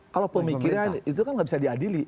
kalau pemikiran itu kan nggak bisa diadili